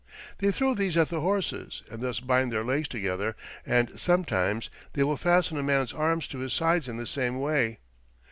They throw these at the horses, and thus bind their legs together; and sometimes they will fasten a man's arms to his sides in the same way.